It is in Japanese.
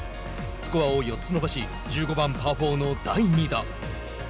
スコアを４つ伸ばし１５番パー４の第２打。